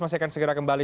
masih akan segera kembali